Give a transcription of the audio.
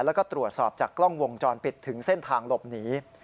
แล้วก็ตรวจสอบจากกล้องวงจรปิดถึงเส้นทางหลบหนี